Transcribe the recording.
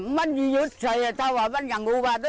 มันหยุดถ้าว่ามันอย่างอู่บาส